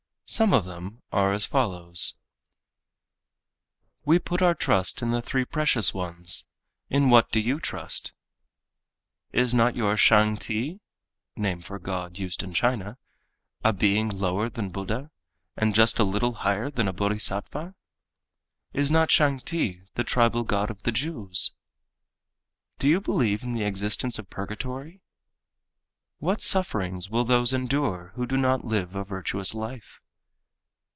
Some of them are as follows: We put our trust in the three Precious Ones. In what do you trust? Is not your Shang Ti (name for God used in China) a being lower than Buddha and just a little higher than a Bodhisattva? Is not Shang Ti the tribal god of the Jews? Do you believe in the existence of purgatory? What sufferings will those endure who do not live a virtuous life?